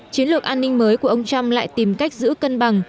chiến lược an ninh mới của ông trump lại tìm cách giữ cân bằng